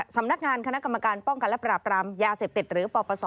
สำนักงานคณะกรรมการป้องกันและปราบรามยาเสพติดหรือปปศ